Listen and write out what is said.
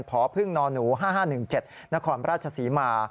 พพน๕๕๑๗นพระราชสีมา